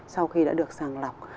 sau khi đã được sàng lọc